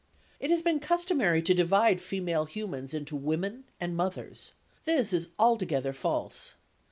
It has been customary to divide female humans into women and mothers; this is altogether false.